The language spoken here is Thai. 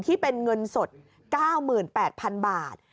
ที่เป็นเงินสด๙๘๐๐๐บาท